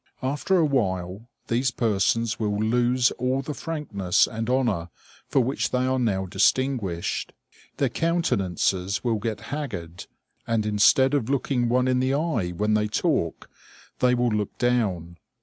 After a while these persons will lose all the frankness and honor for which they are now distinguished. Their countenances will get haggard, and instead of looking one in the eye when they talk, they will look down.